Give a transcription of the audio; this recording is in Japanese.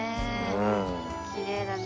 きれいだね。